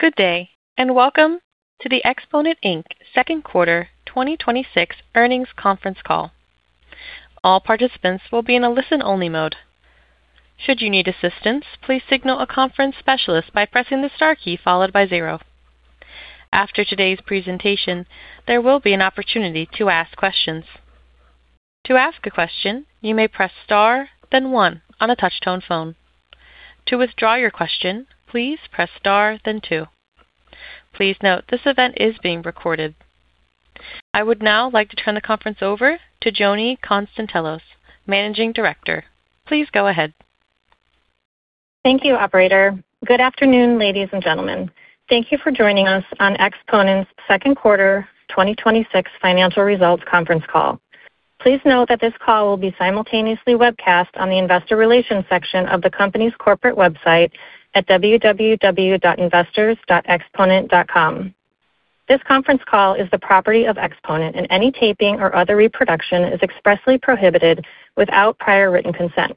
Good day, and welcome to the Exponent Inc. Q2 2026 earnings conference call. All participants will be in a listen-only mode. Should you need assistance, please signal a conference specialist by pressing the star key followed by zero. After today's presentation, there will be an opportunity to ask questions. To ask a question, you may press star, then one on a touch-tone phone. To withdraw your question, please press star then two. Please note this event is being recorded. I would now like to turn the conference over to Joni Konstantelos, managing director. Please go ahead. Thank you, operator. Good afternoon, ladies and gentlemen. Thank you for joining us on Exponent's Q2 2026 financial results conference call. Please note that this call will be simultaneously webcast on the investor relations section of the company's corporate website at www.investors.exponent.com. This conference call is the property of Exponent, any taping or other reproduction is expressly prohibited without prior written consent.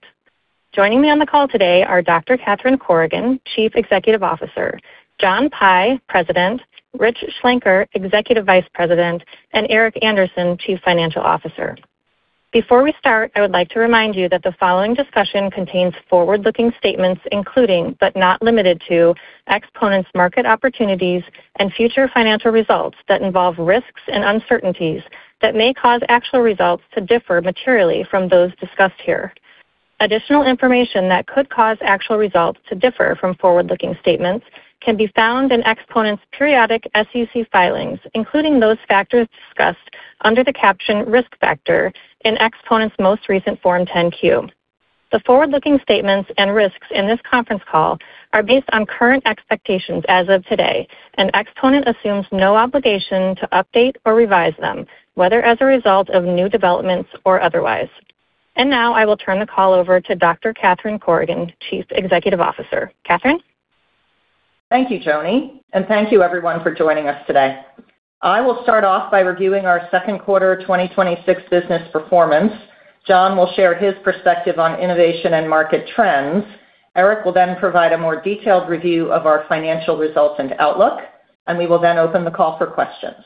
Joining me on the call today are Dr. Catherine Corrigan, Chief Executive Officer, John Pye, President, Rich Schlenker, Executive Vice President, and Eric Anderson, Chief Financial Officer. Before we start, I would like to remind you that the following discussion contains forward-looking statements, including, but not limited to Exponent's market opportunities and future financial results that involve risks and uncertainties that may cause actual results to differ materially from those discussed here. Additional information that could cause actual results to differ from forward-looking statements can be found in Exponent's periodic SEC filings, including those factors discussed under the caption Risk Factor in Exponent's most recent Form 10-Q. The forward-looking statements and risks in this conference call are based on current expectations as of today, Exponent assumes no obligation to update or revise them, whether as a result of new developments or otherwise. Now I will turn the call over to Dr. Catherine Corrigan, Chief Executive Officer. Catherine? Thank you, Joni, and thank you, everyone, for joining us today. I will start off by reviewing our Q2 2026 business performance. John will share his perspective on innovation and market trends. Eric will then provide a more detailed review of our financial results and outlook, we will then open the call for questions.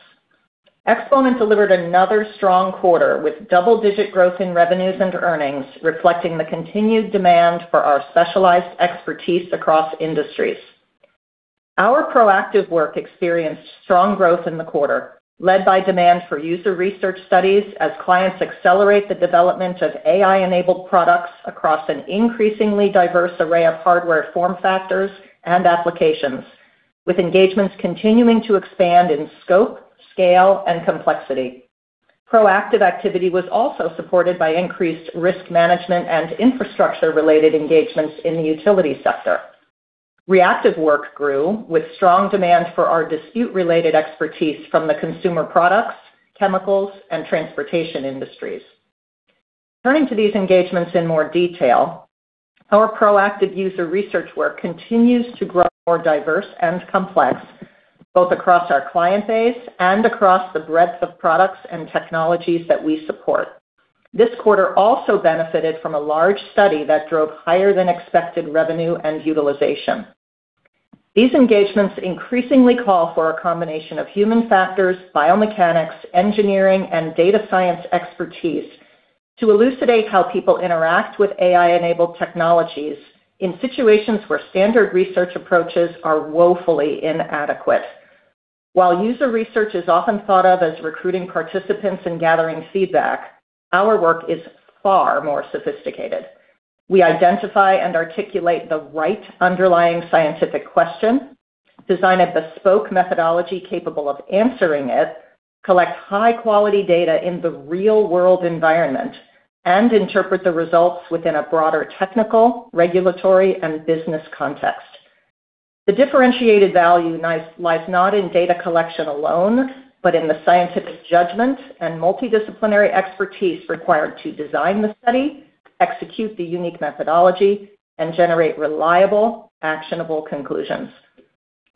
Exponent delivered another strong quarter with double-digit growth in revenues and earnings, reflecting the continued demand for our specialized expertise across industries. Our proactive work experienced strong growth in the quarter, led by demand for user research studies as clients accelerate the development of AI-enabled products across an increasingly diverse array of hardware form factors and applications, with engagements continuing to expand in scope, scale, and complexity. Proactive activity was also supported by increased risk management and infrastructure-related engagements in the utility sector. Reactive work grew with strong demand for our dispute-related expertise from the consumer products, chemicals, and transportation industries. Turning to these engagements in more detail, our proactive user research work continues to grow more diverse and complex, both across our client base and across the breadth of products and technologies that we support. This quarter also benefited from a large study that drove higher than expected revenue and utilization. These engagements increasingly call for a combination of human factors, biomechanics, engineering, and data science expertise to elucidate how people interact with AI-enabled technologies in situations where standard research approaches are woefully inadequate. While user research is often thought of as recruiting participants and gathering feedback, our work is far more sophisticated. We identify and articulate the right underlying scientific question, design a bespoke methodology capable of answering it, collect high-quality data in the real-world environment, and interpret the results within a broader technical, regulatory, and business context. The differentiated value lies not in data collection alone, but in the scientific judgment and multidisciplinary expertise required to design the study, execute the unique methodology, and generate reliable, actionable conclusions.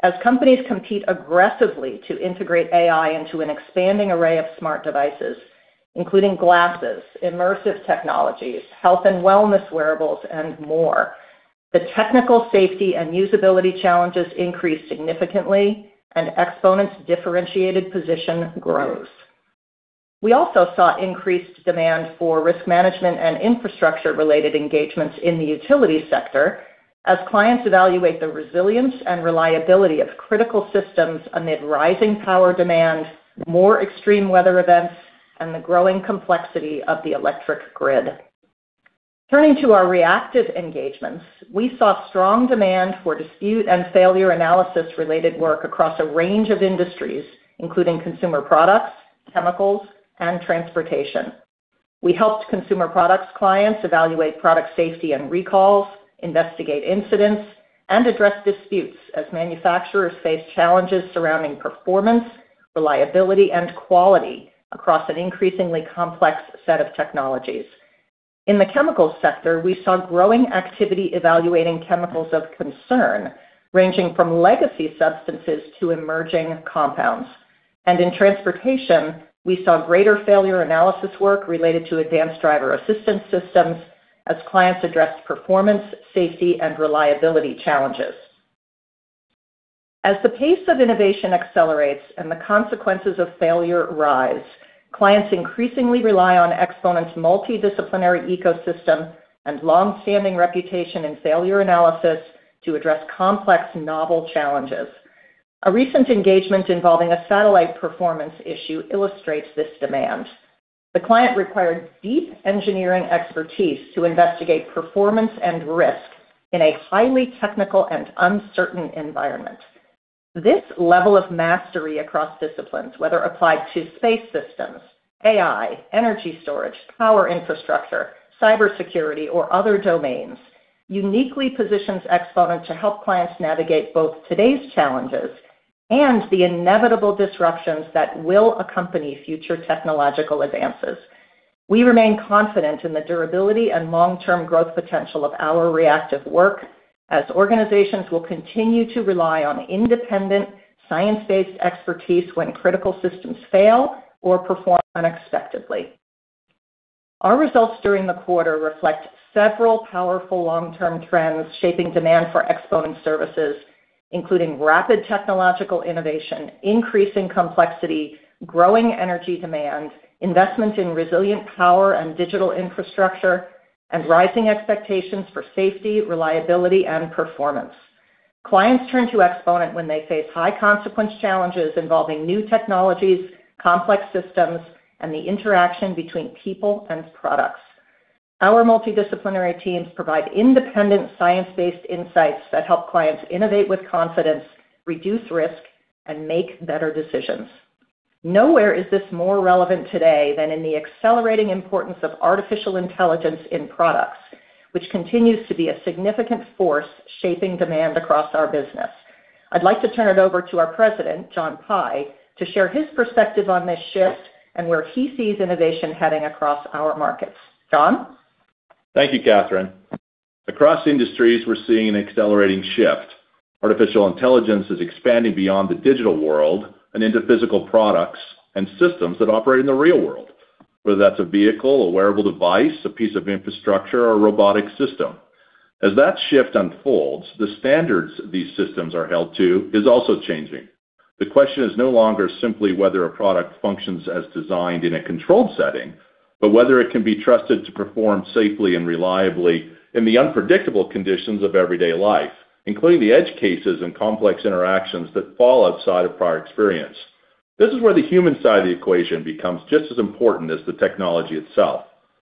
As companies compete aggressively to integrate AI into an expanding array of smart devices, including glasses, immersive technologies, health and wellness wearables, and more, the technical safety and usability challenges increase significantly, and Exponent's differentiated position grows. We also saw increased demand for risk management and infrastructure-related engagements in the utility sector as clients evaluate the resilience and reliability of critical systems amid rising power demand, more extreme weather events, and the growing complexity of the electric grid. Turning to our reactive engagements, we saw strong demand for dispute and failure analysis-related work across a range of industries, including consumer products, chemicals, and transportation. We helped consumer products clients evaluate product safety and recalls, investigate incidents, and address disputes as manufacturers face challenges surrounding performance, reliability, and quality across an increasingly complex set of technologies. In the chemical sector, we saw growing activity evaluating chemicals of concern, ranging from legacy substances to emerging compounds. In transportation, we saw greater failure analysis work related to advanced driver assistance systems as clients addressed performance, safety, and reliability challenges. As the pace of innovation accelerates and the consequences of failure rise, clients increasingly rely on Exponent's multidisciplinary ecosystem and long-standing reputation in failure analysis to address complex, novel challenges. A recent engagement involving a satellite performance issue illustrates this demand. The client required deep engineering expertise to investigate performance and risk in a highly technical and uncertain environment. This level of mastery across disciplines, whether applied to space systems, AI, energy storage, power infrastructure, cybersecurity, or other domains, uniquely positions Exponent to help clients navigate both today's challenges and the inevitable disruptions that will accompany future technological advances. We remain confident in the durability and long-term growth potential of our reactive work as organizations will continue to rely on independent, science-based expertise when critical systems fail or perform unexpectedly. Our results during the quarter reflect several powerful long-term trends shaping demand for Exponent services, including rapid technological innovation, increasing complexity, growing energy demand, investment in resilient power and digital infrastructure, and rising expectations for safety, reliability, and performance. Clients turn to Exponent when they face high-consequence challenges involving new technologies, complex systems, and the interaction between people and products. Our multidisciplinary teams provide independent science-based insights that help clients innovate with confidence, reduce risk, and make better decisions. Nowhere is this more relevant today than in the accelerating importance of artificial intelligence in products, which continues to be a significant force shaping demand across our business. I'd like to turn it over to our President, John Pye, to share his perspective on this shift and where he sees innovation heading across our markets. John? Thank you, Catherine. Across industries, we're seeing an accelerating shift. Artificial intelligence is expanding beyond the digital world and into physical products and systems that operate in the real world, whether that's a vehicle, a wearable device, a piece of infrastructure, or a robotic system. As that shift unfolds, the standards these systems are held to is also changing. The question is no longer simply whether a product functions as designed in a controlled setting, but whether it can be trusted to perform safely and reliably in the unpredictable conditions of everyday life, including the edge cases and complex interactions that fall outside of prior experience. This is where the human side of the equation becomes just as important as the technology itself.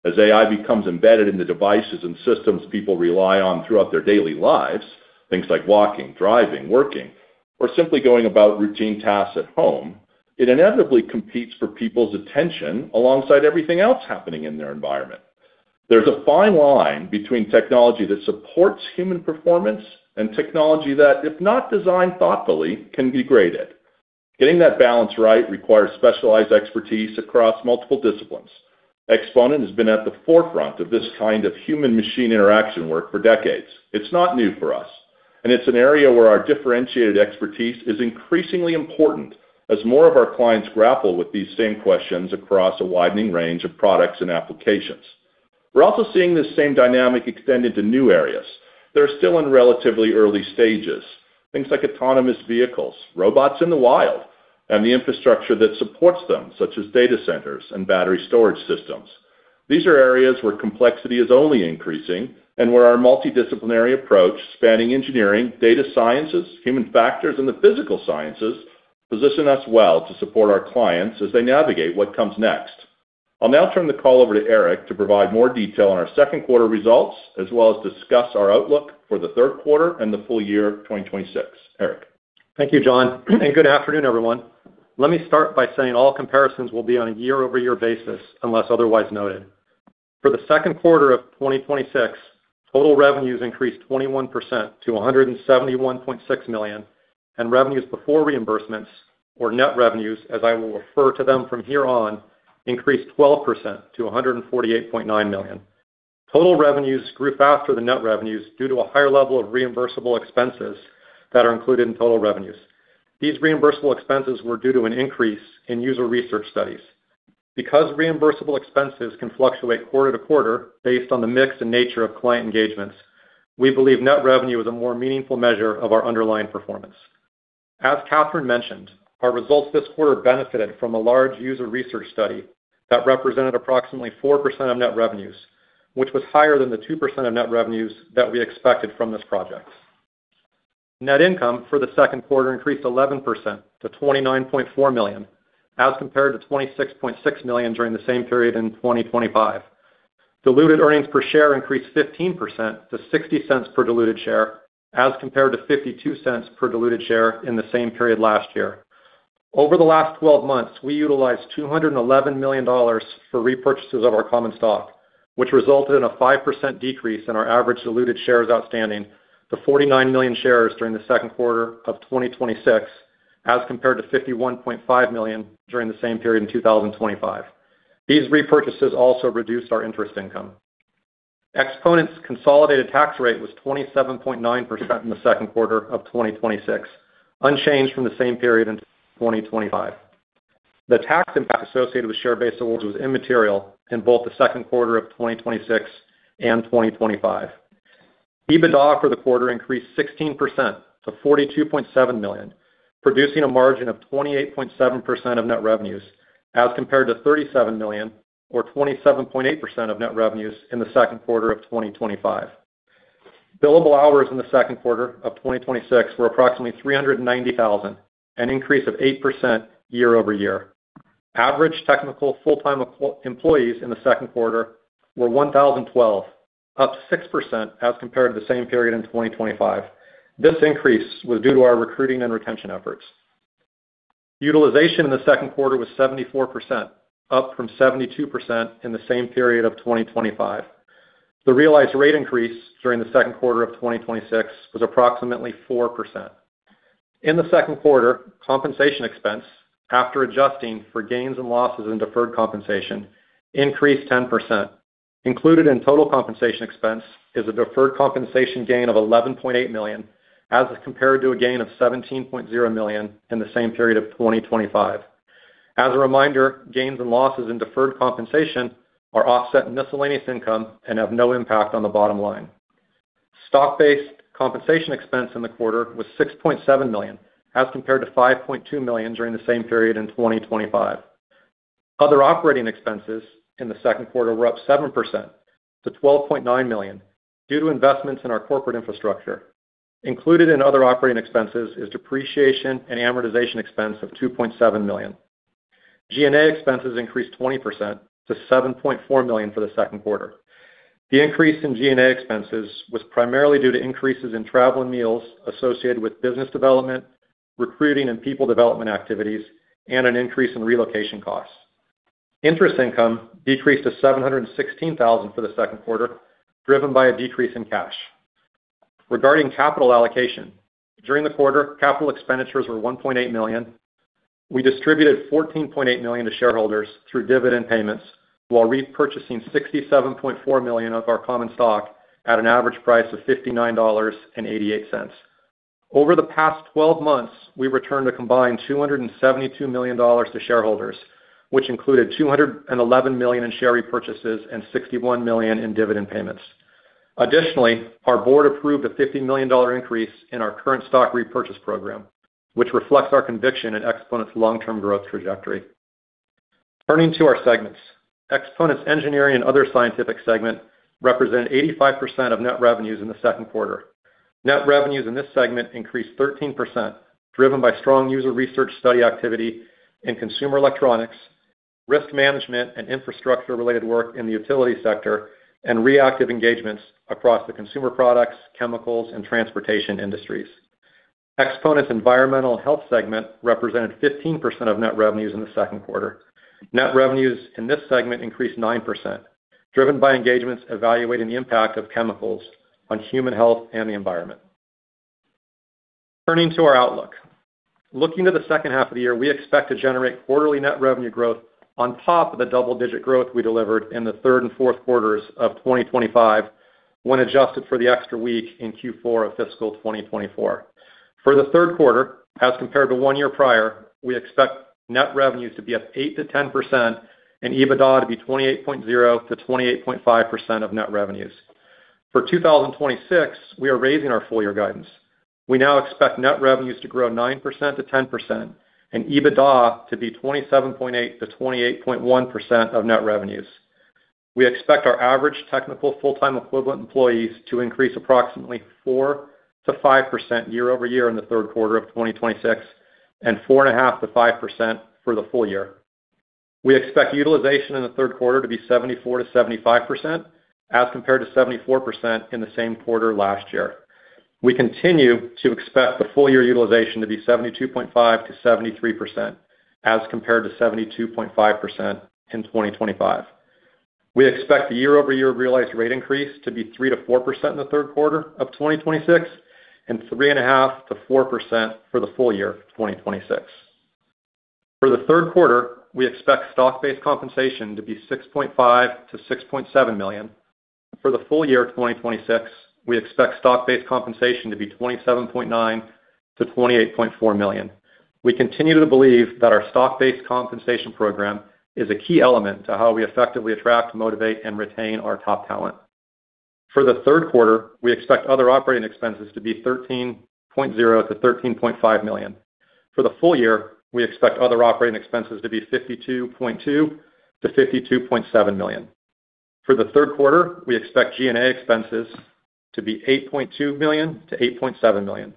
As AI becomes embedded in the devices and systems people rely on throughout their daily lives, things like walking, driving, working, or simply going about routine tasks at home, it inevitably competes for people's attention alongside everything else happening in their environment. There's a fine line between technology that supports human performance and technology that, if not designed thoughtfully, can be degraded. Getting that balance right requires specialized expertise across multiple disciplines. Exponent has been at the forefront of this kind of human-machine interaction work for decades. It's not new for us, and it's an area where our differentiated expertise is increasingly important as more of our clients grapple with these same questions across a widening range of products and applications. We're also seeing this same dynamic extend into new areas that are still in relatively early stages. Things like autonomous vehicles, robots in the wild, and the infrastructure that supports them, such as data centers and battery storage systems. These are areas where complexity is only increasing and where our multidisciplinary approach, spanning engineering, data sciences, human factors, and the physical sciences, position us well to support our clients as they navigate what comes next. I'll now turn the call over to Eric to provide more detail on our second quarter results, as well as discuss our outlook for Q3 and the full year 2026. Eric? Thank you, John, and good afternoon, everyone. Let me start by saying all comparisons will be on a year-over-year basis unless otherwise noted. For Q2 of 2026, total revenues increased 21% to $171.6 million, and revenues before reimbursements, or net revenues, as I will refer to them from here on, increased 12% to $148.9 million. Total revenues grew faster than net revenues due to a higher level of reimbursable expenses that are included in total revenues. These reimbursable expenses were due to an increase in user research studies. Because reimbursable expenses can fluctuate quarter-to-quarter based on the mix and nature of client engagements, we believe net revenue is a more meaningful measure of our underlying performance. As Catherine mentioned, our results this quarter benefited from a large user research study that represented approximately 4% of net revenues, which was higher than the 2% of net revenues that we expected from this project. Net income for Q2 increased 11% to $29.4 million, as compared to $26.6 million during the same period in 2025. Diluted earnings per share increased 15% to $0.60 per diluted share, as compared to $0.52 per diluted share in the same period last year. Over the last 12 months, we utilized $211 million for repurchases of our common stock, which resulted in a 5% decrease in our average diluted shares outstanding to 49 million shares during Q2 of 2026, as compared to 51.5 million during the same period in 2025. These repurchases also reduced our interest income. Exponent's consolidated tax rate was 27.9% in Q2 of 2026, unchanged from the same period in 2025. The tax impact associated with share-based awards was immaterial in both Q2 of 2026 and 2025. EBITDA for the quarter increased 16% to $42.7 million, producing a margin of 28.7% of net revenues, as compared to $37 million, or 27.8% of net revenues in Q2 of 2025. Billable hours in the second quarter of 2026 were approximately 390,000, an increase of 8% year-over-year. Average technical full-time employees in Q2 were 1,012, up 6% as compared to the same period in 2025. This increase was due to our recruiting and retention efforts. Utilization in Q2 was 74%, up from 72% in the same period of 2025. The realized rate increase during the second quarter of 2026 was approximately 4%. In Q2, compensation expense, after adjusting for gains and losses in deferred compensation, increased 10%. Included in total compensation expense is a deferred compensation gain of $11.8 million, as compared to a gain of $17.0 million in the same period of 2025. As a reminder, gains and losses in deferred compensation are offset in miscellaneous income and have no impact on the bottom line. Stock-based compensation expense in the quarter was $6.7 million, as compared to $5.2 million during the same period in 2025. Other operating expenses in Q2 were up 7% to $12.9 million due to investments in our corporate infrastructure. Included in other operating expenses is depreciation and amortization expense of $2.7 million. G&A expenses increased 20% to $7.4 million for the second quarter. The increase in G&A expenses was primarily due to increases in travel and meals associated with business development, recruiting, and people development activities, and an increase in relocation costs. Interest income decreased to $716,000 for the second quarter, driven by a decrease in cash. Regarding capital allocation, during the quarter, capital expenditures were $1.8 million. We distributed $14.8 million to shareholders through dividend payments while repurchasing $67.4 million of our common stock at an average price of $59.88. Over the past 12 months, we returned a combined $272 million to shareholders, which included $211 million in share repurchases and $61 million in dividend payments. Additionally, our board approved a $50 million increase in our current stock repurchase program, which reflects our conviction in Exponent's long-term growth trajectory. Turning to our segments. Exponent's engineering and other scientific segment represented 85% of net revenues in Q2. Net revenues in this segment increased 13%, driven by strong user research study activity in consumer electronics, risk management, and infrastructure-related work in the utility sector, and reactive engagements across the consumer products, chemicals, and transportation industries. Exponent's environmental and health segment represented 15% of net revenues in Q2. Net revenues in this segment increased 9%, driven by engagements evaluating the impact of chemicals on human health and the environment. Turning to our outlook. Looking to H2 of the year, we expect to generate quarterly net revenue growth on top of the double-digit growth we delivered in Q3 and Q4 of 2025 when adjusted for the extra week in Q4 of fiscal 2024. For Q3, as compared to one year prior, we expect net revenues to be up 8%-10% and EBITDA to be 28.0%-28.5% of net revenues. For 2026, we are raising our full-year guidance. We now expect net revenues to grow 9%-10% and EBITDA to be 27.8%-28.1% of net revenues. We expect our average technical full-time equivalent employees to increase approximately 4%-5% year-over-year in Q3 of 2026 and 4.5%-5% for the full year. We expect utilization in Q3 to be 74%-75%, as compared to 74% in the same quarter last year. We continue to expect the full-year utilization to be 72.5%-73%, as compared to 72.5% in 2025. We expect the year-over-year realized rate increase to be 3%-4% in Q3 of 2026 and 3.5%-4% for the full year 2026. For Q3, we expect stock-based compensation to be $6.5 million-$6.7 million. For the full year 2026, we expect stock-based compensation to be $27.9 million-$28.4 million. We continue to believe that our stock-based compensation program is a key element to how we effectively attract, motivate, and retain our top talent. For Q3, we expect other operating expenses to be $13.0 million-$13.5 million. For the full year, we expect other operating expenses to be $52.2 million-$52.7 million. For Q3, we expect G&A expenses to be $8.2 million-$8.7 million.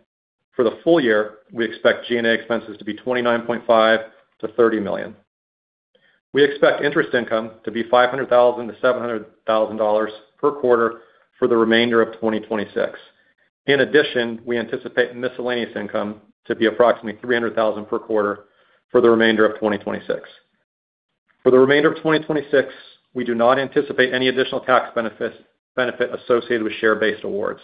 For the full year, we expect G&A expenses to be $29.5 million-$30 million. We expect interest income to be $500,000-$700,000 per quarter for the remainder of 2026. In addition, we anticipate miscellaneous income to be approximately $300,000 per quarter for the remainder of 2026. For the remainder of 2026, we do not anticipate any additional tax benefit associated with share-based awards.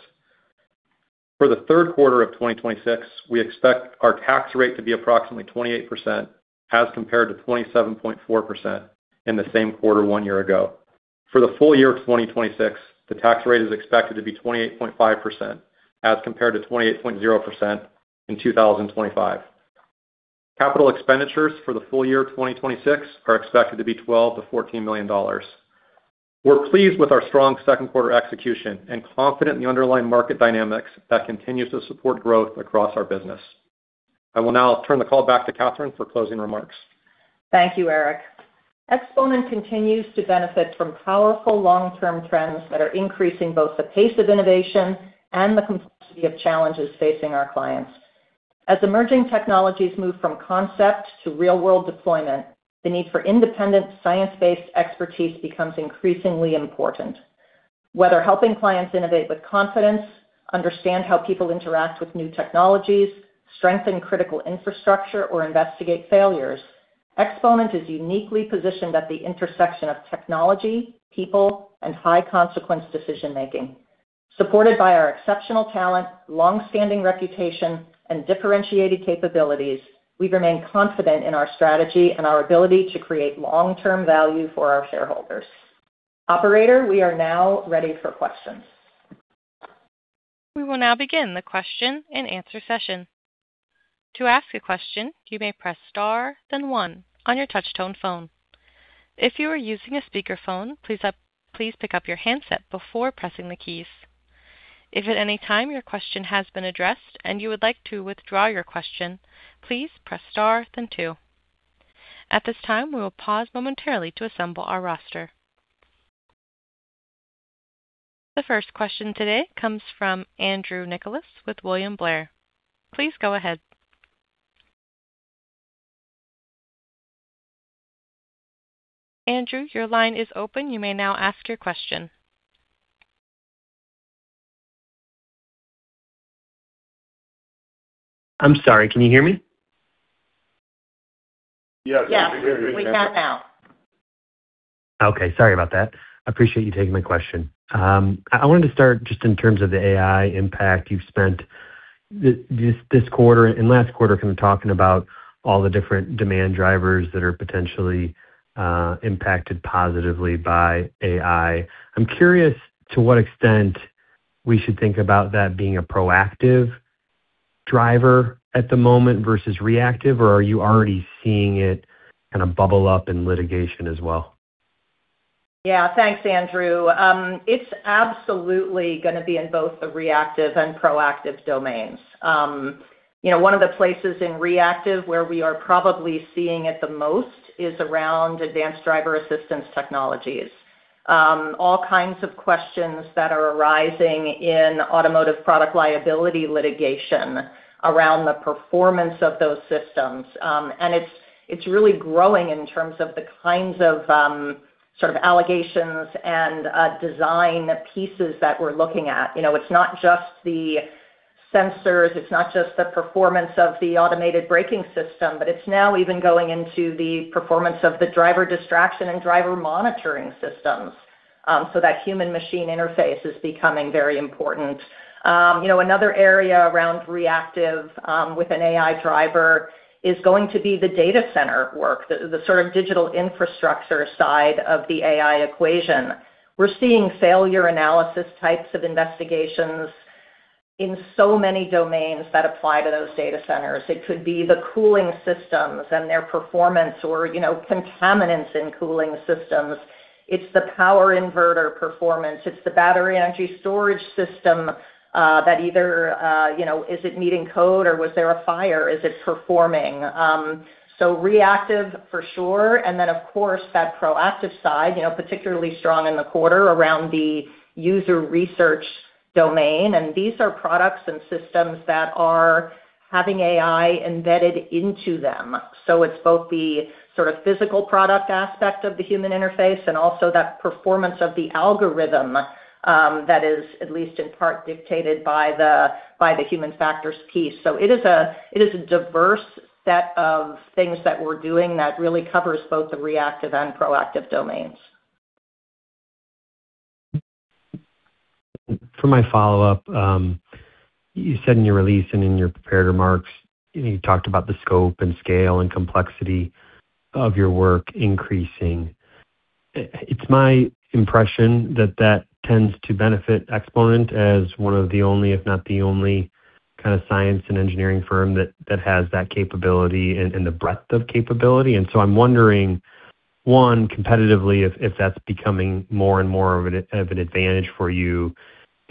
For Q3 of 2026, we expect our tax rate to be approximately 28% as compared to 27.4% in the same quarter one year ago. For the full year of 2026, the tax rate is expected to be 28.5% as compared to 28.0% in 2025. Capital expenditures for the full year of 2026 are expected to be $12 million-$14 million. We're pleased with our strong Q2 execution and confident in the underlying market dynamics that continues to support growth across our business. I will now turn the call back to Catherine for closing remarks. Thank you, Eric. Exponent continues to benefit from powerful long-term trends that are increasing both the pace of innovation and the complexity of challenges facing our clients. As emerging technologies move from concept to real-world deployment, the need for independent science-based expertise becomes increasingly important. Whether helping clients innovate with confidence, understand how people interact with new technologies, strengthen critical infrastructure, or investigate failures, Exponent is uniquely positioned at the intersection of technology, people, and high-consequence decision-making. Supported by our exceptional talent, long-standing reputation, and differentiated capabilities, we remain confident in our strategy and our ability to create long-term value for our shareholders. Operator, we are now ready for questions. We will now begin the question-and-answer session. To ask a question, you may press star then one on your touch-tone phone. If you are using a speakerphone, please pick up your handset before pressing the keys. If at any time your question has been addressed and you would like to withdraw your question, please press star then two. At this time, we will pause momentarily to assemble our roster. The first question today comes from Andrew Nicholas with William Blair. Please go ahead. Andrew, your line is open. You may now ask your question. I'm sorry. Can you hear me? Yes. Yes. We can now. Okay. Sorry about that. I appreciate you taking my question. I wanted to start just in terms of the AI impact you've spent this quarter and last quarter kind of talking about all the different demand drivers that are potentially impacted positively by AI. I'm curious to what extent we should think about that being a proactive driver at the moment versus reactive, or are you already seeing it kind of bubble up in litigation as well? Yeah. Thanks, Andrew. It's absolutely going to be in both the reactive and proactive domains. One of the places in reactive where we are probably seeing it the most is around advanced driver assistance technologies. All kinds of questions that are arising in automotive product liability litigation around the performance of those systems. It's really growing in terms of the kinds of sort of allegations and design pieces that we're looking at. It's not just the sensors, it's not just the performance of the automated braking system, but it's now even going into the performance of the driver distraction and driver monitoring systems. That human-machine interface is becoming very important. Another area around reactive, with an AI driver is going to be the data center work, the sort of digital infrastructure side of the AI equation. We're seeing failure analysis types of investigations in so many domains that apply to those data centers. It could be the cooling systems and their performance or contaminants in cooling systems. It's the power inverter performance. It's the battery energy storage system that either is it meeting code or was there a fire? Is it performing? Reactive for sure, and then of course, that proactive side, particularly strong in the quarter around the user research domain. These are products and systems that are having AI embedded into them. It's both the sort of physical product aspect of the human interface and also that performance of the algorithm, that is at least in part dictated by the human factors piece. It is a diverse set of things that we're doing that really covers both the reactive and proactive domains. For my follow-up, you said in your release and in your prepared remarks, you talked about the scope and scale and complexity of your work increasing. It's my impression that that tends to benefit Exponent as one of the only, if not the only kind of science and engineering firm that has that capability and the breadth of capability. I'm wondering, one, competitively if that's becoming more and more of an advantage for you.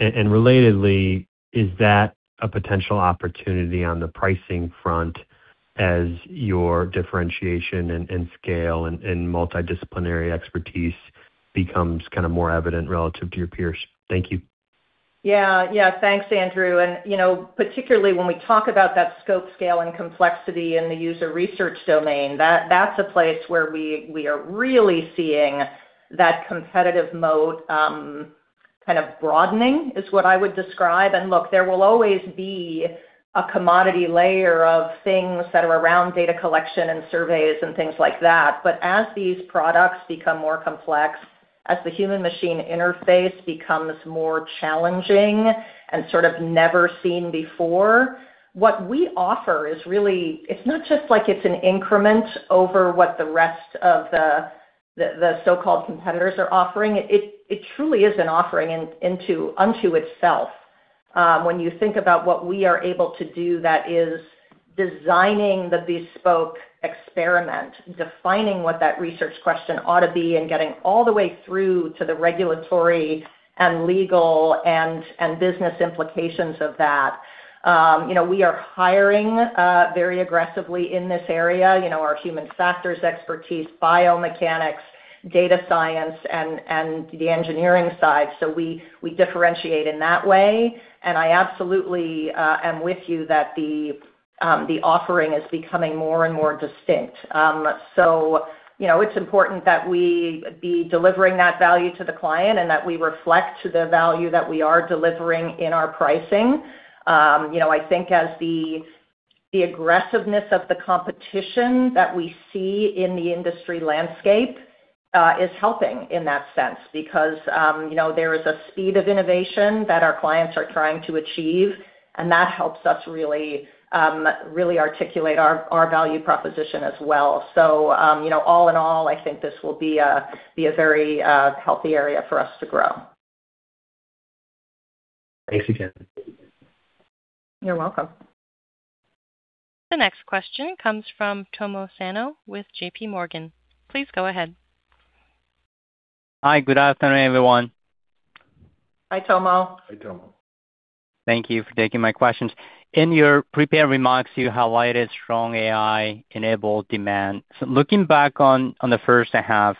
Relatedly, is that a potential opportunity on the pricing front as your differentiation and scale and multidisciplinary expertise becomes kind of more evident relative to your peers? Thank you. Yeah. Thanks, Andrew. Particularly when we talk about that scope, scale, and complexity in the user research domain, that's a place where we are really seeing that competitive moat kind of broadening, is what I would describe. Look, there will always be a commodity layer of things that are around data collection and surveys and things like that. But as these products become more complex. As the human-machine interface becomes more challenging and sort of never seen before, what we offer, it's not just like it's an increment over what the rest of the so-called competitors are offering. It truly is an offering unto itself. When you think about what we are able to do that is designing the bespoke experiment, defining what that research question ought to be, and getting all the way through to the regulatory and legal and business implications of that. We are hiring very aggressively in this area, our human factors expertise, biomechanics, data science, and the engineering side. We differentiate in that way. I absolutely am with you that the offering is becoming more and more distinct. It's important that we be delivering that value to the client and that we reflect the value that we are delivering in our pricing. I think as the aggressiveness of the competition that we see in the industry landscape is helping in that sense because there is a speed of innovation that our clients are trying to achieve, and that helps us really articulate our value proposition as well. All in all, I think this will be a very healthy area for us to grow. Thanks again. You're welcome. The next question comes from Tomo Sano with JPMorgan. Please go ahead. Hi, good afternoon, everyone. Hi, Tomo. Hi, Tomo. Thank you for taking my questions. In your prepared remarks, you highlighted strong AI-enabled demand. Looking back on the first half,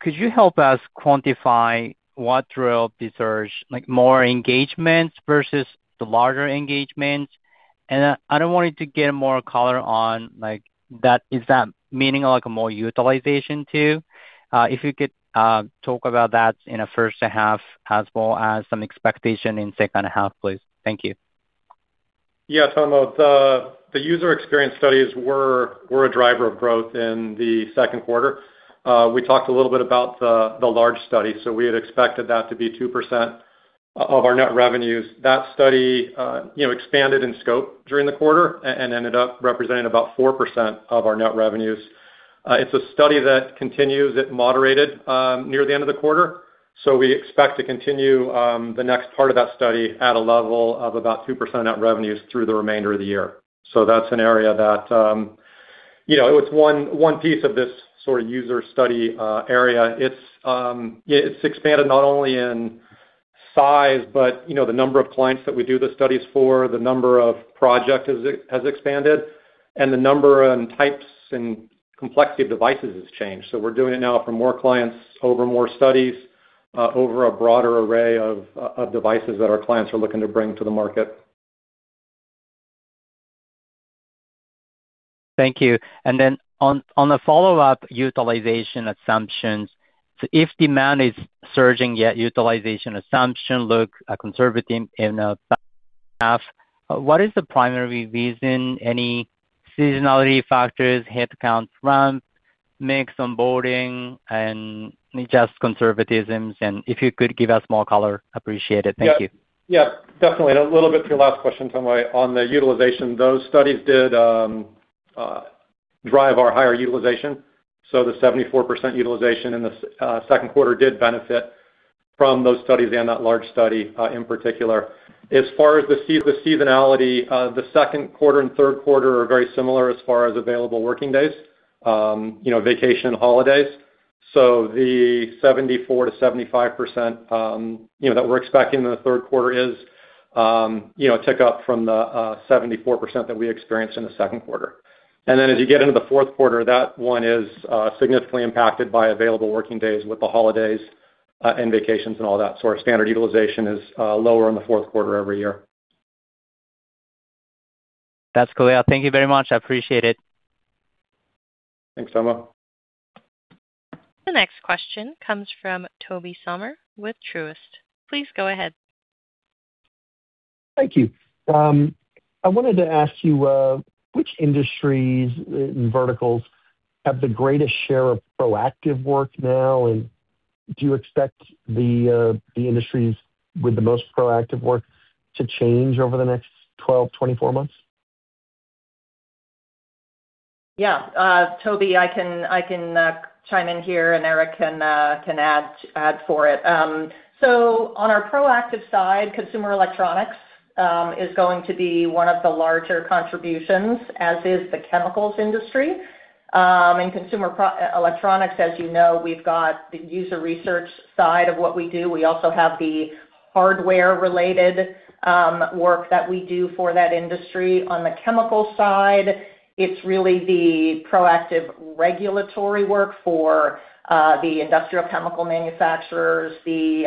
could you help us quantify what drove the surge, like more engagements versus the larger engagements? I wanted to get more color on is that meaning more utilization too? If you could talk about that in the first half as well as some expectation in the second half, please. Thank you. Tomo. The user experience studies were a driver of growth in Q2. We talked a little bit about the large study. We had expected that to be 2% of our net revenues. That study expanded in scope during the quarter and ended up representing about 4% of our net revenues. It's a study that continues. It moderated near the end of the quarter. We expect to continue the next part of that study at a level of about 2% net revenues through the remainder of the year. That's an area that it's one piece of this user study area. It's expanded not only in size, but the number of clients that we do the studies for, the number of projects has expanded, and the number and types and complexity of devices has changed. We're doing it now for more clients over more studies, over a broader array of devices that our clients are looking to bring to the market. Thank you. Then on the follow-up utilization assumptions, if demand is surging, yet utilization assumption looks conservative in the half, what is the primary reason? Any seasonality factors, headcount ramp, mix onboarding, just conservatisms? If you could give us more color, appreciate it. Thank you. Yeah, definitely. A little bit to your last question, Tomo, on the utilization. Those studies did drive our higher utilization. The 74% utilization in the second quarter did benefit from those studies and that large study in particular. As far as the seasonality, the second quarter and third quarter are very similar as far as available working days, vacation and holidays. The 74%-75% that we're expecting in the third quarter is a tick up from the 74% that we experienced in Q2. Then as you get into Q4, that one is significantly impacted by available working days with the holidays and vacations and all that. Our standard utilization is lower in Q4 every year. That's clear. Thank you very much. I appreciate it. Thanks, Tomo. The next question comes from Tobey Sommer with Truist. Please go ahead. Thank you. I wanted to ask you, which industries and verticals have the greatest share of proactive work now, do you expect the industries with the most proactive work to change over the next 12, 24 months? Tobey, I can chime in here, Eric can add for it. On our proactive side, consumer electronics is going to be one of the larger contributions, as is the chemicals industry. In consumer electronics, as you know, we've got the user research side of what we do. We also have the hardware-related work that we do for that industry. On the chemical side, it's really the proactive regulatory work for the industrial chemical manufacturers, the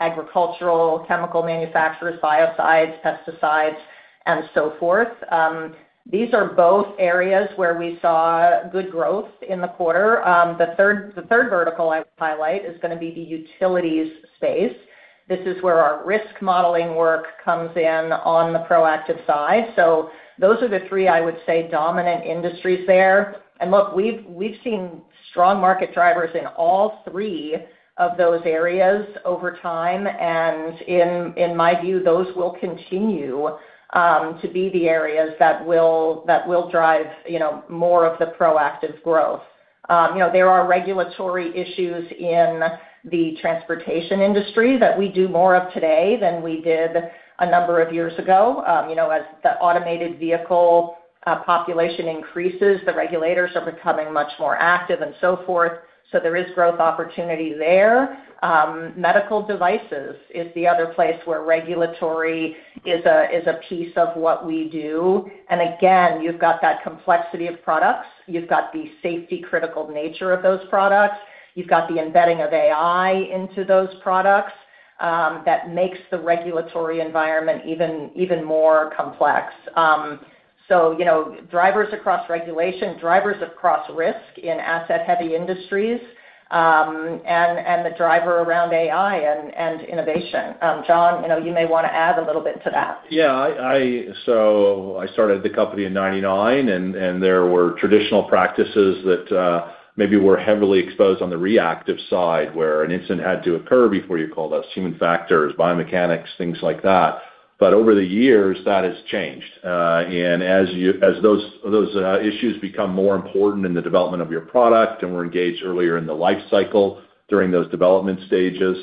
agricultural chemical manufacturers, biocides, pesticides, and so forth. These are both areas where we saw good growth in the quarter. The third vertical I would highlight is going to be the utilities space. This is where our risk modeling work comes in on the proactive side. Those are the three, I would say, dominant industries there. Look, we've seen strong market drivers in all three of those areas over time, in my view, those will continue to be the areas that will drive more of the proactive growth. There are regulatory issues in the transportation industry that we do more of today than we did a number of years ago. As the automated vehicle population increases, the regulators are becoming much more active and so forth. There is growth opportunity there. Medical devices is the other place where regulatory is a piece of what we do. Again, you've got that complexity of products. You've got the safety critical nature of those products. You've got the embedding of AI into those products that makes the regulatory environment even more complex. Drivers across regulation, drivers across risk in asset heavy industries, and the driver around AI and innovation. John, you may want to add a little bit to that. I started the company in 1999, there were traditional practices that maybe were heavily exposed on the reactive side, where an incident had to occur before you called us. Human factors, biomechanics, things like that. Over the years, that has changed. As those issues become more important in the development of your product and we're engaged earlier in the life cycle during those development stages,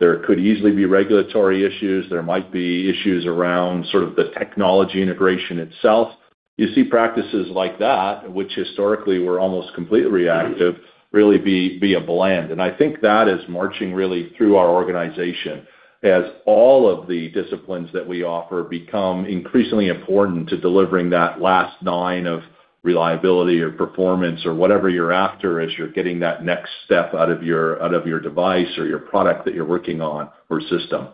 there could easily be regulatory issues. There might be issues around sort of the technology integration itself. You see practices like that, which historically were almost completely reactive, really be a blend. I think that is marching really through our organization as all of the disciplines that we offer become increasingly important to delivering that last nine of reliability or performance or whatever you're after as you're getting that next step out of your device or your product that you're working on or system.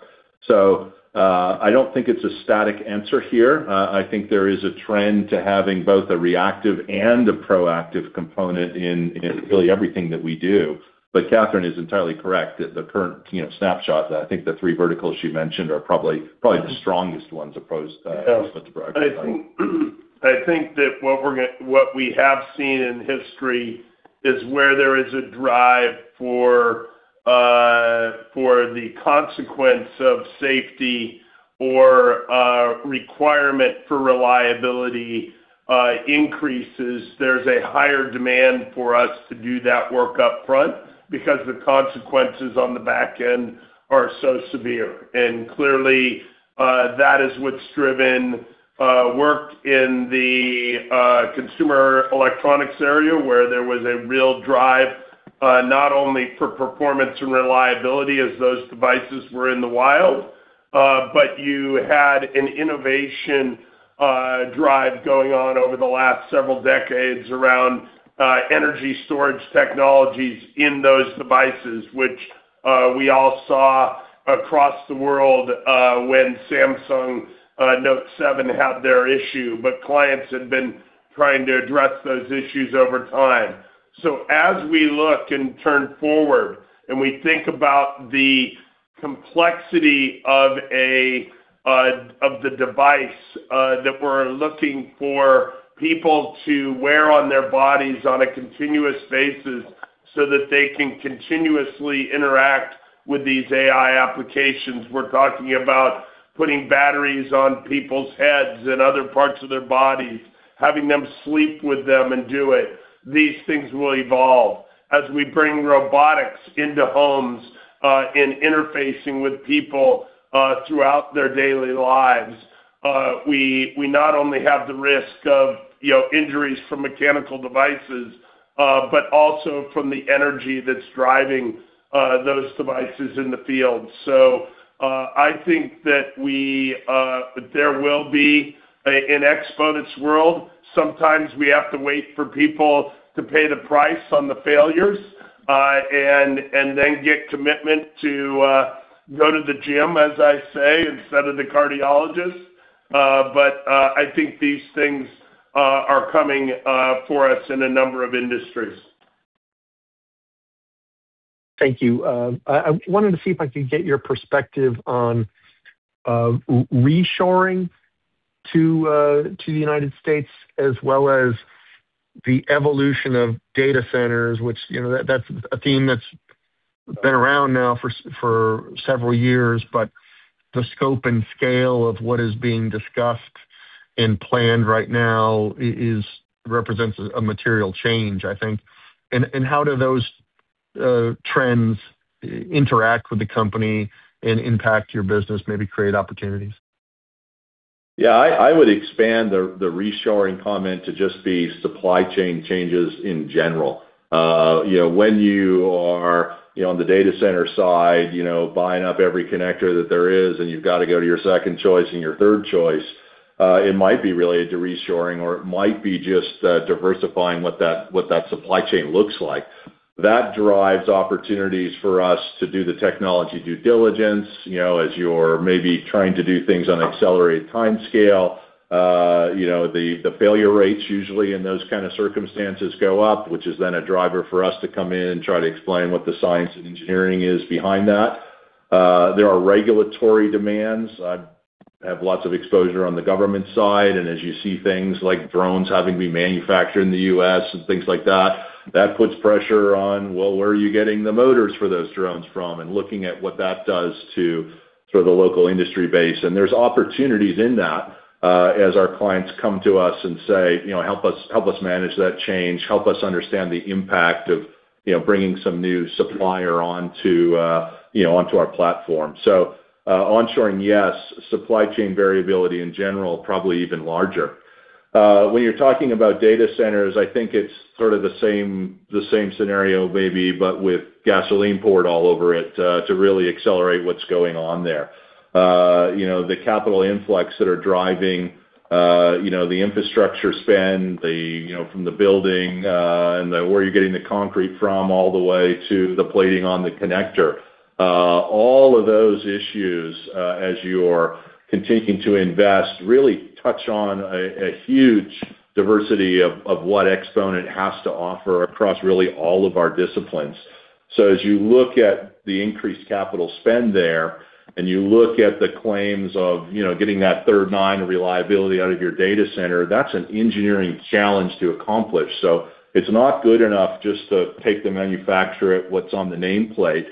I don't think it's a static answer here. I think there is a trend to having both a reactive and a proactive component in really everything that we do. Catherine is entirely correct that the current snapshot, I think the three verticals she mentioned are probably the strongest ones opposed- Yes. With the proactive side. I think that what we have seen in history is where there is a drive for the consequence of safety or requirement for reliability increases. There's a higher demand for us to do that work up front because the consequences on the back end are so severe. Clearly, that is what's driven work in the consumer electronics area, where there was a real drive, not only for performance and reliability as those devices were in the wild, but you had an innovation drive going on over the last several decades around energy storage technologies in those devices, which we all saw across the world when Samsung Galaxy Note7 had their issue. Clients had been trying to address those issues over time. As we look and turn forward and we think about the complexity of the device that we're looking for people to wear on their bodies on a continuous basis so that they can continuously interact with these AI applications. We're talking about putting batteries on people's heads and other parts of their bodies, having them sleep with them and do it. These things will evolve as we bring robotics into homes, in interfacing with people throughout their daily lives. We not only have the risk of injuries from mechanical devices, but also from the energy that's driving those devices in the field. I think that there will be in Exponent's world, sometimes we have to wait for people to pay the price on the failures, and then get commitment to go to the gym, as I say, instead of the cardiologist. I think these things are coming for us in a number of industries. Thank you. I wanted to see if I could get your perspective on reshoring to the U.S. as well as the evolution of data centers, which that's a theme that's been around now for several years, but the scope and scale of what is being discussed and planned right now represents a material change, I think. How do those trends interact with the company and impact your business, maybe create opportunities? Yeah. I would expand the reshoring comment to just be supply chain changes in general. When you are on the data center side, buying up every connector that there is, and you've got to go to your second choice and your third choice, it might be related to reshoring or it might be just diversifying what that supply chain looks like. That drives opportunities for us to do the technology due diligence, as you're maybe trying to do things on accelerated timescale. The failure rates usually in those kind of circumstances go up, which is then a driver for us to come in and try to explain what the science and engineering is behind that. There are regulatory demands. I have lots of exposure on the government side. As you see things like drones having to be manufactured in the U.S. and things like that puts pressure on, well, where are you getting the motors for those drones from? Looking at what that does to the local industry base. There's opportunities in that, as our clients come to us and say, Help us manage that change, help us understand the impact of bringing some new supplier onto our platform. Onshoring, yes. Supply chain variability in general, probably even larger. When you're talking about data centers, I think it's sort of the same scenario maybe, but with gasoline poured all over it to really accelerate what's going on there. The capital influx that are driving the infrastructure spend from the building and where you're getting the concrete from all the way to the plating on the connector. All of those issues, as you're continuing to invest, really touch on a huge diversity of what Exponent has to offer across really all of our disciplines. As you look at the increased capital spend there, and you look at the claims of getting that third nine reliability out of your data center, that's an engineering challenge to accomplish. It's not good enough just to take the manufacturer what's on the nameplate.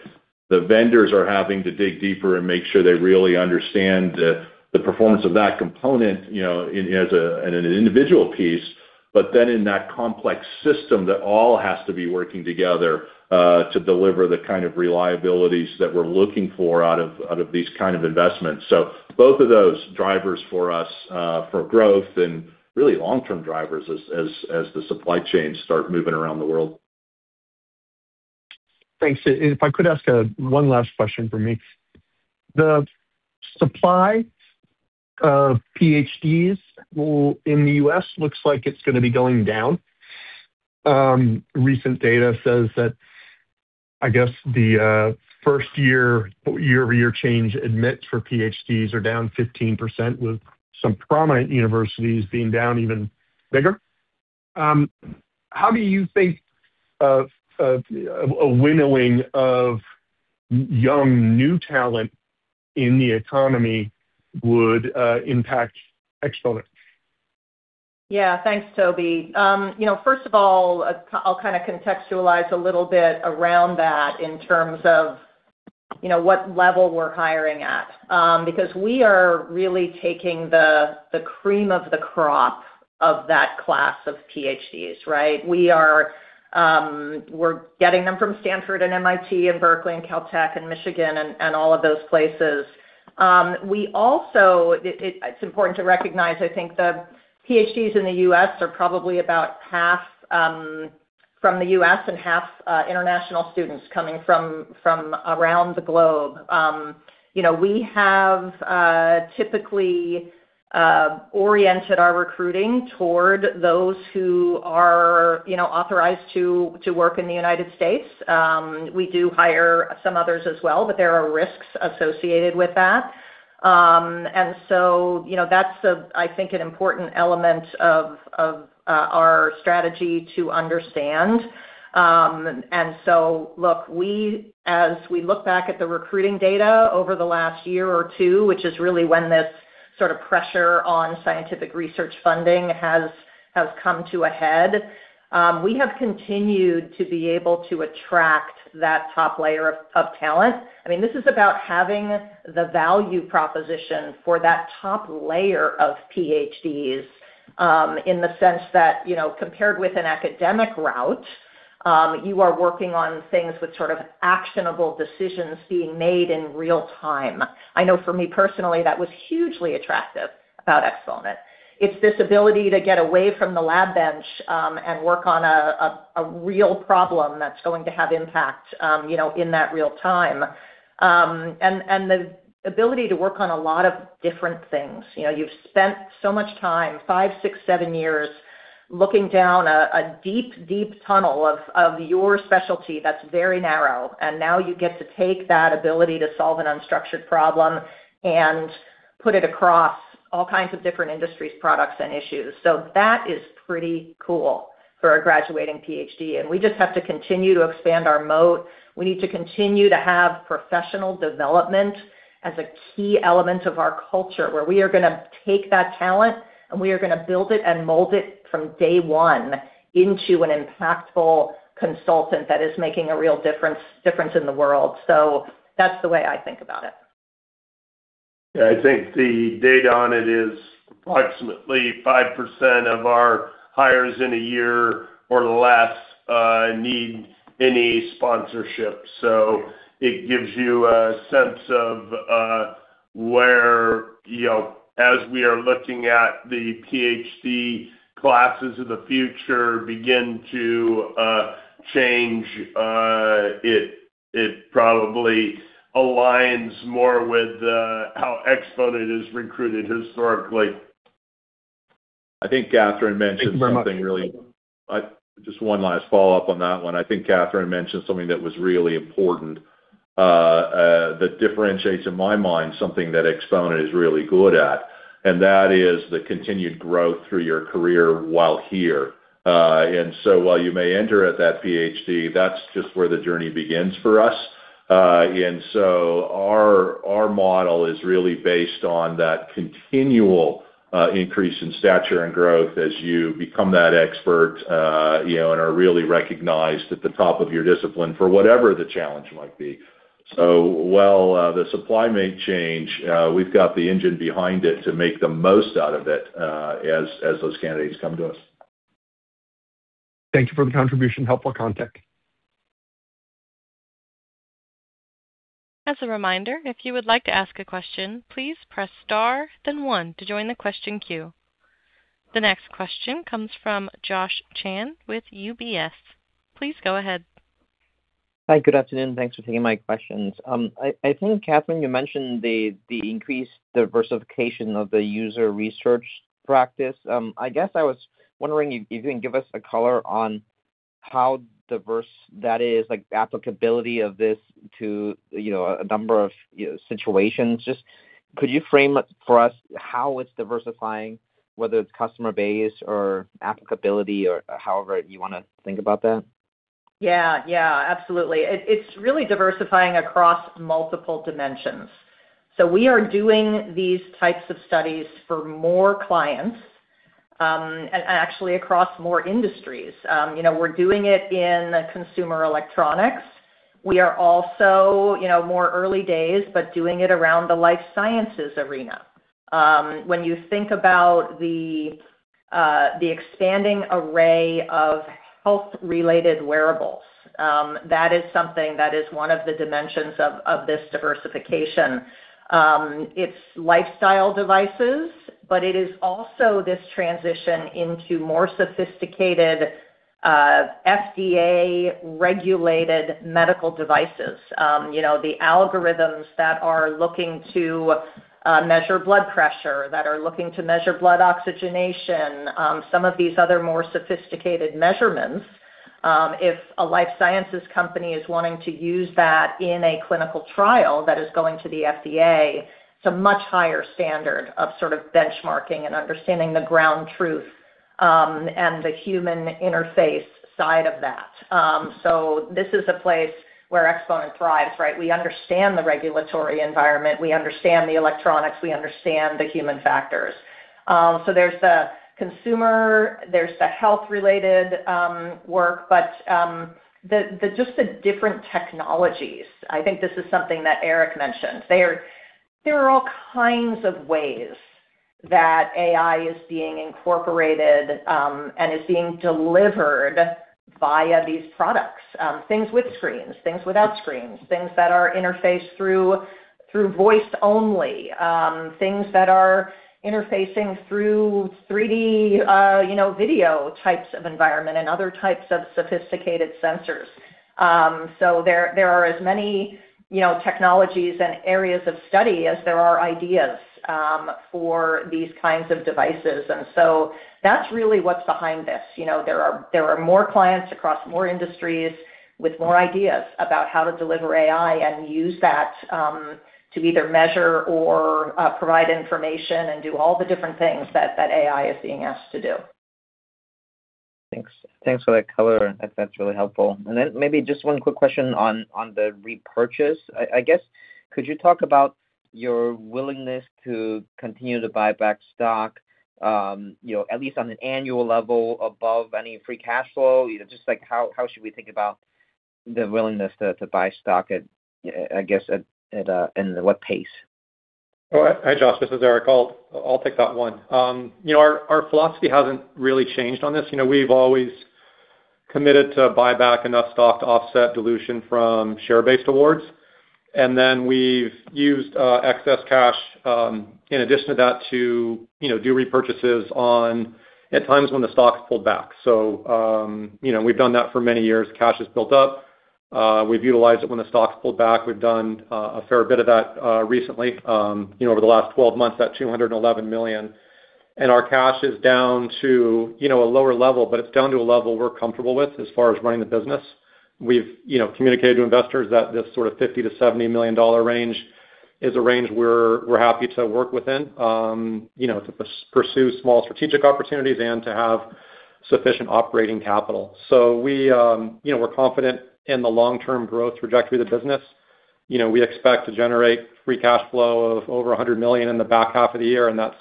The vendors are having to dig deeper and make sure they really understand the performance of that component, as an individual piece, but then in that complex system that all has to be working together, to deliver the kind of reliabilities that we're looking for out of these kind of investments. Both of those, drivers for us for growth and really long-term drivers as the supply chains start moving around the world. Thanks. If I could ask one last question from me. The supply of PhDs in the U.S. looks like it's going to be going down. Recent data says that, I guess the first year-over-year change admits for PhDs are down 15% with some prominent universities being down even bigger. How do you think a winnowing of young new talent in the economy would impact Exponent? Thanks, Tobey. First of all, I'll kind of contextualize a little bit around that in terms of what level we're hiring at. Because we are really taking the cream of the crop of that class of PhDs, right? We're getting them from Stanford and MIT and Berkeley and Caltech and Michigan and all of those places. It's important to recognize, I think the PhDs in the U.S. are probably about half from the U.S. and half international students coming from around the globe. We have typically oriented our recruiting toward those who are authorized to work in the United States. We do hire some others as well, but there are risks associated with that. That's, I think, an important element of our strategy to understand. Look, as we look back at the recruiting data over the last year or two, which is really when this sort of pressure on scientific research funding has come to a head, we have continued to be able to attract that top layer of talent. This is about having the value proposition for that top layer of PhDs, in the sense that, compared with an academic route, you are working on things with sort of actionable decisions being made in real time. I know for me personally, that was hugely attractive about Exponent. It's this ability to get away from the lab bench, and work on a real problem that's going to have impact in that real time. The ability to work on a lot of different things. You've spent so much time, five, six, seven years looking down a deep tunnel of your specialty that's very narrow. Now you get to take that ability to solve an unstructured problem and put it across all kinds of different industries, products, and issues. That is pretty cool for a graduating PhD. We just have to continue to expand our moat. We need to continue to have professional development as a key element of our culture, where we are going to take that talent and we are going to build it and mold it from day one into an impactful consultant that is making a real difference in the world. That's the way I think about it. Yeah. I think the data on it is approximately 5% of our hires in a year or less need any sponsorship. It gives you a sense of where, as we are looking at the PhD classes of the future begin to change, it probably aligns more with how Exponent has recruited historically. I think Catherine mentioned something. Just one last follow-up on that one. I think Catherine mentioned something that was really important, that differentiates in my mind something that Exponent is really good at, and that is the continued growth through your career while here. While you may enter at that PhD, that's just where the journey begins for us. Our model is really based on that continual increase in stature and growth as you become that expert, and are really recognized at the top of your discipline for whatever the challenge might be. While the supply may change, we've got the engine behind it to make the most out of it, as those candidates come to us. Thank you for the contribution. Helpful context. As a reminder, if you would like to ask a question, please press star then one to join the question queue. The next question comes from Josh Chan with UBS. Please go ahead. Hi. Good afternoon. Thanks for taking my questions. I think, Catherine, you mentioned the increased diversification of the user research practice. I guess I was wondering if you can give us a color on how diverse that is, like the applicability of this to a number of situations. Could you frame it for us how it's diversifying, whether it's customer base or applicability or however you want to think about that? Yeah. Absolutely. It's really diversifying across multiple dimensions. We are doing these types of studies for more clients, and actually across more industries. We're doing it in consumer electronics. We are also more early days, but doing it around the life sciences arena. When you think about the expanding array of health-related wearables, that is something that is one of the dimensions of this diversification. It's lifestyle devices, but it is also this transition into more sophisticated, FDA-regulated medical devices. The algorithms that are looking to measure blood pressure, that are looking to measure blood oxygenation, some of these other more sophisticated measurements. If a life sciences company is wanting to use that in a clinical trial that is going to the FDA, it's a much higher standard of sort of benchmarking and understanding the ground truth, and the human interface side of that. This is a place where Exponent thrives, right? We understand the regulatory environment, we understand the electronics, we understand the human factors. There's the consumer, there's the health-related work, but just the different technologies. I think this is something that Eric mentioned. There are all kinds of ways that AI is being incorporated, and is being delivered via these products. Things with screens, things without screens, things that are interfaced through voice only, things that are interfacing through 3D video types of environment and other types of sophisticated sensors. There are as many technologies and areas of study as there are ideas for these kinds of devices. That's really what's behind this. There are more clients across more industries with more ideas about how to deliver AI and use that to either measure or provide information and do all the different things that AI is being asked to do. Thanks for that color. I think that's really helpful. Maybe just one quick question on the repurchase. I guess, could you talk about your willingness to continue to buy back stock, at least on an annual level above any free cash flow? Just how should we think about the willingness to buy stock, I guess, and at what pace? Oh, hi, Josh. This is Eric. I'll take that one. Our philosophy hasn't really changed on this. We've always committed to buy back enough stock to offset dilution from share-based awards. We've used excess cash, in addition to that, to do repurchases at times when the stock's pulled back. We've done that for many years. Cash has built up. We've utilized it when the stock's pulled back. We've done a fair bit of that recently, over the last 12 months, that $211 million. Our cash is down to a lower level, but it's down to a level we're comfortable with as far as running the business. We've communicated to investors that this sort of $50 million-$70 million range is a range we're happy to work within, to pursue small strategic opportunities and to have sufficient operating capital. We're confident in the long-term growth trajectory of the business. We expect to generate free cash flow of over 100 million in the back half of the year, that's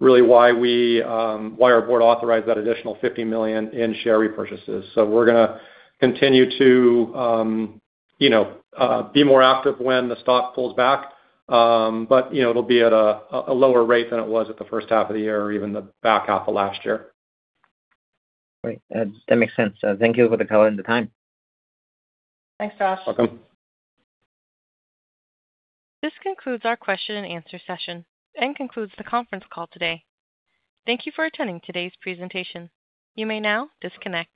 really why our board authorized that additional $50 million in share repurchases. We're going to continue to be more active when the stock pulls back. It'll be at a lower rate than it was at H1 of the year or even the back half of last year. Great. That makes sense. Thank you for the color and the time. Thanks, Josh. Welcome. This concludes our question-and-answer session and concludes the conference call today. Thank you for attending today's presentation. You may now disconnect.